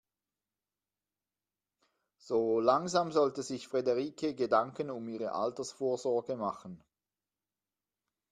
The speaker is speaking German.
So langsam sollte sich Frederike Gedanken um ihre Altersvorsorge machen.